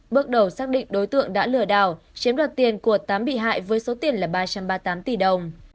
bước đầu xác định đối tượng đã lừa đảo chiếm đoạt tiền của tám bị hại với số tiền là ba trăm ba mươi tám tỷ đồng